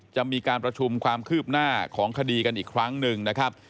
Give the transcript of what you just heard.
จะมีการประชุมความคืบหน้าของคดีกันอีกครั้งหนึ่งนะครับ